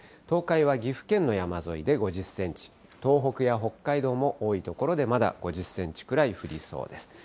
東海は岐阜県の山沿いで５０センチ、東北や北海道も多い所で、まだ５０センチくらい降りそうです。